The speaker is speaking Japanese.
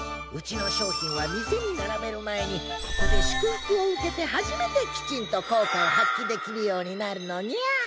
うちの商品は店に並べる前にここで祝福を受けて初めてきちんと効果を発揮できるようになるのにゃ。